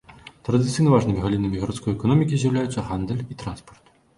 Традыцыйна важнымі галінамі гарадской эканомікі з'яўляюцца гандаль і транспарт.